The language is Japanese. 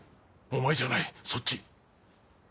お前じゃないそっち。